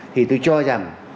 thì tôi cho rằng